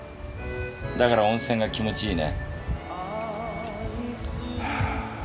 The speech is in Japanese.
だから温泉が気持ちいいね。